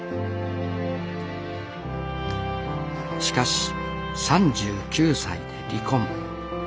しかし３９歳で離婚。